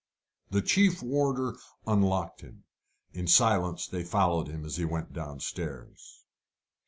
The chief warder unlocked him. In silence they followed him as he went downstairs.